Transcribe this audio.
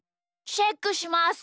チェックします。